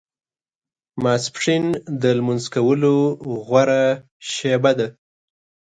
غرمه د لمونځ کولو غوره شېبه ده